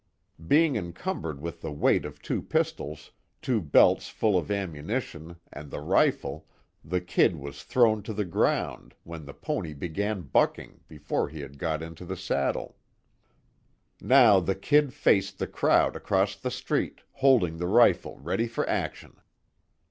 Being encumbered with the weight of two pistols, two belts full of ammunition, and the rifle, the "Kid" was thrown to the ground, when the pony began bucking, before he had got into the saddle. Now the "Kid" faced the crowd across the street, holding the rifle ready for action.